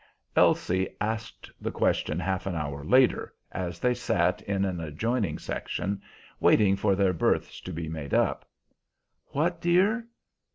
Elsie asked the question half an hour later, as they sat in an adjoining section, waiting for their berths to be made up. "What, dear?"